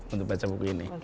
untuk baca buku ini